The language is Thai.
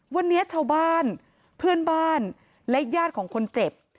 วันนี้ชาวบ้านเพื่อนบ้านและญาติของคนเจ็บ